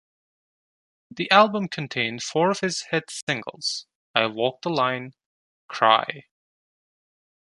The album contained four of his hit singles: "I Walk the Line," "Cry!